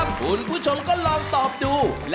อันนี้ถูก